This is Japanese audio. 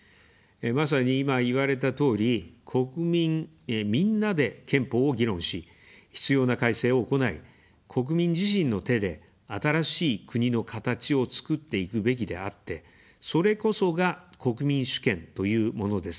まさに今、言われたとおり、国民みんなで憲法を議論し、必要な改正を行い、国民自身の手で新しい「国のかたち」をつくっていくべきであって、それこそが、国民主権というものです。